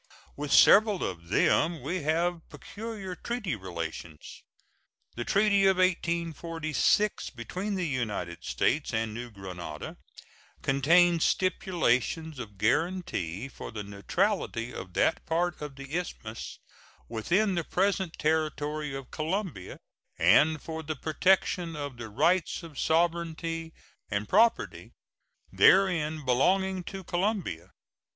With several of them we have peculiar treaty relations. The treaty of 1846 between the United States and New Granada contains stipulations of guaranty for the neutrality of that part of the Isthmus within the present territory of Colombia, and for the protection of the rights of sovereignty and property therein belonging to Colombia.